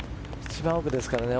一番奥ですからね。